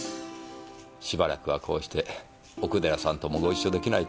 暫くはこうして奥寺さんともご一緒出来ないというわけですか。